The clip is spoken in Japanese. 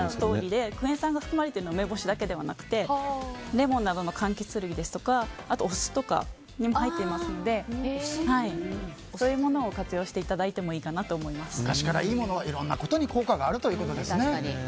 クエン酸が含まれているのは梅干しだけではなくてレモンなどの柑橘類ですとかお酢とかにも入っていますのでそういうものを活用していただいても昔からいいものはいろんなことに効果があるということですね。